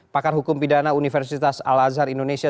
pakar hukum pidana universitas al azhar indonesia